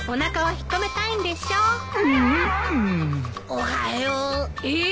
おはよう。えっ！？